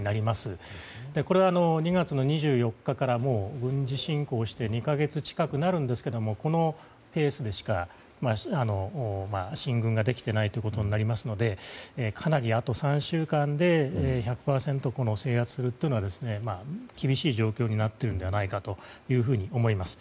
これは２月の２４日から軍事侵攻して２か月近くなるんですがこのペースでしか進軍できていないということになりますのでかなり、あと３週間で１００％制圧するのは厳しい状況になっているのではないかと思います。